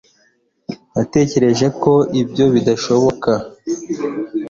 natekereje ko ibyo bidashoboka